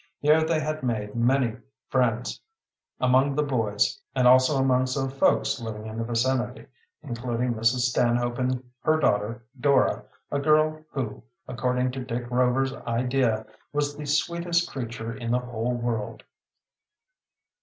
Here they had made many friends among the boys and also among some folks living in the vicinity, including Mrs. Stanhope and her daughter Dora, a girl who, according to Dick Rover's idea, was the sweetest creature in the whole world.